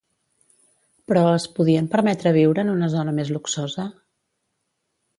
Però, es podien permetre viure en una zona més luxosa?